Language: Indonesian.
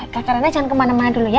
kakak reina jangan kemana mana dulu ya